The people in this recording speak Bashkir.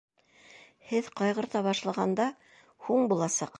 Һеҙ ҡайғырта башлағанда һуң буласаҡ!